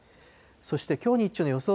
そしてきょう日中の予想